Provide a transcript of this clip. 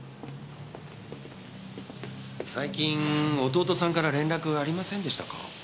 最近弟さんから連絡ありませんでしたか？